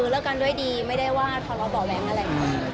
เลิกกันด้วยดีไม่ได้ว่าคำว่าบ่อแว้งอะไร